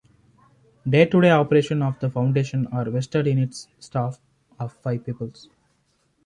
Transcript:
Day-to-day operations of the foundation are vested in its staff of five people.